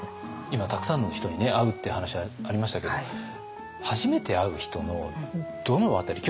今たくさんの人に会うって話がありましたけども初めて会う人のどの辺り。